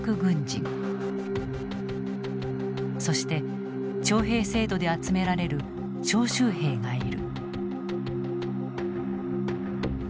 そして徴兵制度で集められる徴集兵がいる。